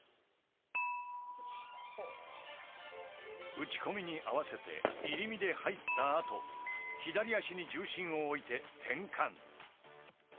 打ち込みに合わせて入り身で入ったあと左足に重心を置いて転換。